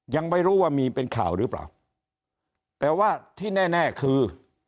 ยังไม่รู้ว่ามีเป็นข่าวหรือเปล่าแต่ว่าที่แน่แน่คือ